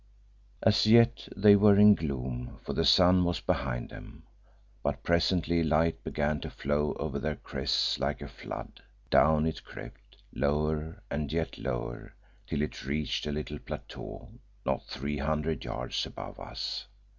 As yet they were in gloom, for the sun was behind them, but presently light began to flow over their crests like a flood. Down it crept, lower, and yet lower, till it reached a little plateau not three hundred yards above us.